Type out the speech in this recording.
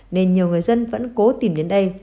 nên nhiều người dân vẫn cố tìm đến đây